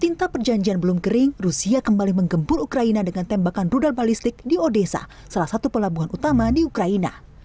tinta perjanjian belum kering rusia kembali menggembur ukraina dengan tembakan rudal balistik di odesa salah satu pelabuhan utama di ukraina